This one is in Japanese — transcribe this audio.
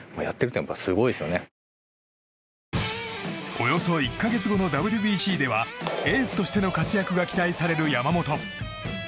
およそ１か月後のＷＢＣではエースとしての活躍が期待される山本。